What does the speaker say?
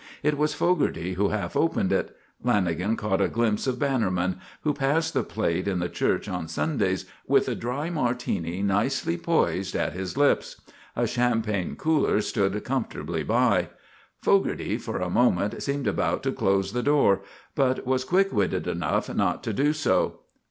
It was Fogarty who half opened it. Lanagan caught a glimpse of Bannerman, who passed the plate in the church on Sundays, with a dry Martini nicely poised at his lips. A champagne cooler stood comfortably by. Fogarty for a moment seemed about to close the door, but was quick witted enough not to do so.